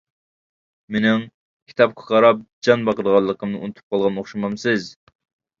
— مېنىڭ كىتابقا قاراپ جان باقىدىغانلىقىمنى ئۇنتۇپ قالغان ئوخشىمامسىز.